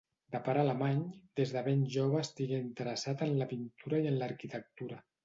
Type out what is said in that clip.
De pare alemany, des de ben jove estigué interessat en la pintura i en l'arquitectura.